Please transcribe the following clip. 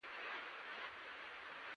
وده د بدلون بڼه ده.